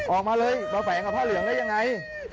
ออกมาเลยมาแฝงกับผ้าเหลืองได้ยังไง